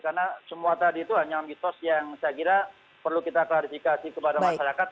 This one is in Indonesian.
karena semua tadi itu hanya ambitos yang saya kira perlu kita klarifikasi kepada masyarakat